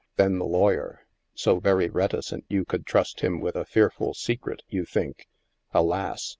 Then the lawyer, so very reticent vou could trust him with a fearful secret you think, alas